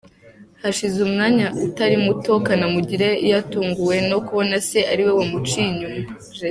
Hashize umwanya utari muto Kanamugire yatunguwe no kubona se ariwe wamuciye inyuma.